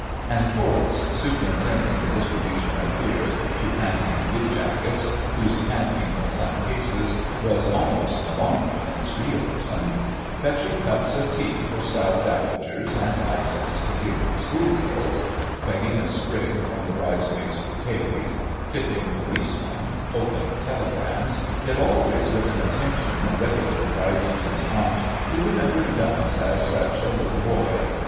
And Torps, superintending the distribution of beer to panting blue jackets (whose panting, in some cases, was almost alarming in its realism); fetching cups of tea for stout dowagers, and ices for giggling schoolgirls; begging a sprig from the bridesmaids' bouquets; tipping policemen; opening telegrams; yet always with an attention ready for the Bridegroom's aunt who remembered Guns as such a little boy....